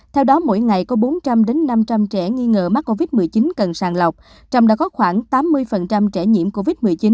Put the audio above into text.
theo đó mỗi ngày có bốn trăm linh năm trăm linh trẻ nghi ngờ mắc covid một mươi chín cần sàng lọc trong đó có khoảng tám mươi trẻ nhiễm covid một mươi chín